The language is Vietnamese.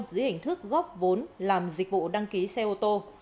dưới hình thức góp vốn làm dịch vụ đăng ký xe ô tô